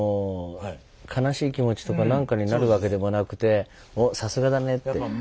悲しい気持ちとかなんかになるわけでもなくて「おさすがだね！」って。